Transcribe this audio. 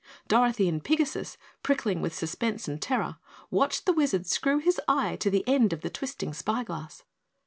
Dorothy and Pigasus, prickling with suspense and terror, watched the Wizard screw his eye to the end of the twisting spyglass.